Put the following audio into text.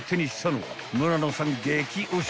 ［村野さん激推し］